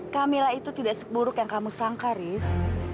kamilah itu tidak seburuk yang kamu sangka riz